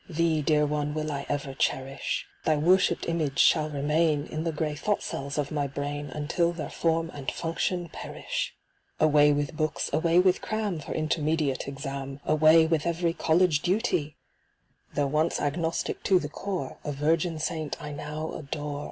Thee, dear one, will I ever cherish ; Thy worshipped image shall remain In the grey thought cells of my brain Until their form and function perish. Away with books, away with cram For Intermediate Exam. ! Away with every college dut)' ! Though once Agnostic to the core, A virgin Saint I now adore.